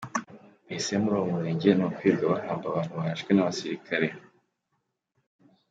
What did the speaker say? mbese muri uwo murenge ni ukwirwa bahamba abantu barashwe n’abasirikare.